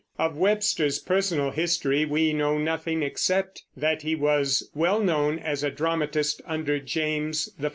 Of Webster's personal history we know nothing except that he was well known as a dramatist under James I.